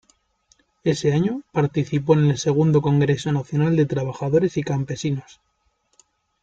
Ese año participó en el segundo Congreso Nacional de Trabajadores y Campesinos.